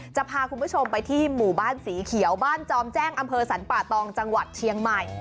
จะพาคุณผู้ชมไปที่หมู่บ้านสีเขียวบ้านจอมแจ้งอำเภอสรรป่าตองจังหวัดเชียงใหม่